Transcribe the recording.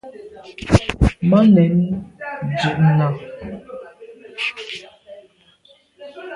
Màa nèn ndù’ nà.